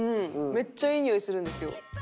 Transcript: めっちゃいいにおいするんですよ。